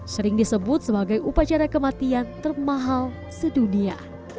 sering disebut sebagai upacara kematian termahal sedunia